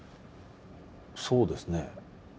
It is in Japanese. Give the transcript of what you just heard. そうですね。